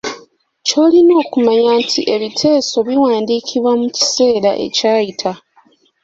Ky’olina okumanya nti ebiteeso biwandiikibwa mu kiseera ekyayita.